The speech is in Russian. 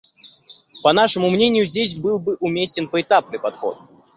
По нашему мнению, здесь был бы уместен поэтапный подход.